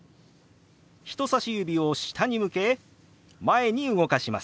人さし指を下に向け前に動かします。